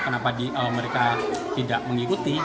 kenapa mereka tidak mengikuti